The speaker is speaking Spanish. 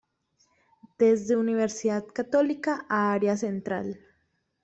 Desde Universidad Católica a Área Central.